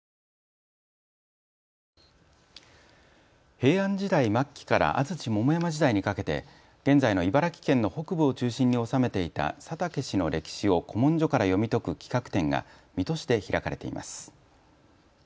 平安時代末期から安土桃山時代にかけて現在の茨城県の北部を中心に治めていた佐竹氏の歴史を古文書から読み解く企画展が水戸市で開かれています。